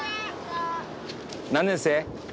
何年生？